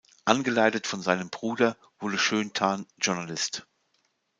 Angeleitet von seinem Bruder wurde Schönthan Journalist.